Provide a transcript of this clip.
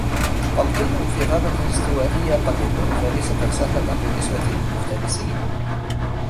قلطيّ في غابة استوائيّة قد يكون فريسة سهلة بالنّسبة للمفترسين.